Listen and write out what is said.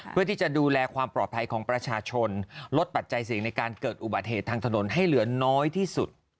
เพื่อที่จะดูแลความปลอดภัยของประชาชนลดปัจจัยเสี่ยงในการเกิดอุบัติเหตุทางถนนให้เหลือน้อยที่สุด